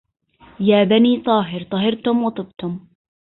يا بني طاهر طهرتم وطبتم